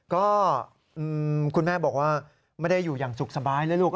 ก็คุณแม่บอกว่าไม่ได้อยู่อย่างสุขสบายเลยลูก